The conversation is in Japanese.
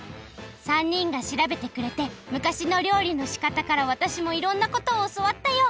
３にんがしらべてくれて昔の料理のしかたからわたしもいろんなことをおそわったよ。